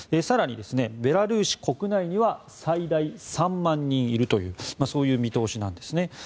更に、ベラルーシ国内には最大３万人いるというそういう見通しなんですね。